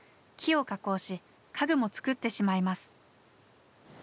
木を加工し家具も作ってしまいます。